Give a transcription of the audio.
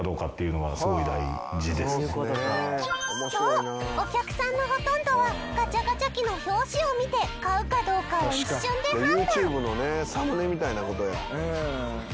そうお客さんのほとんどはガチャガチャ機の表紙を見て買うかどうかを一瞬で判断。